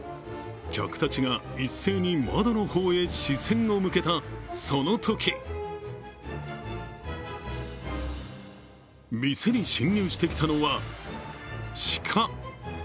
客たちが一斉に窓の方へ視線を向けたそのとき店に侵入してきたのは鹿。